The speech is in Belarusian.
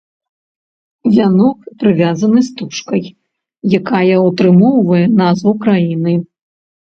Вянок прывязаны стужкай, якая ўтрымоўвае назву краіны.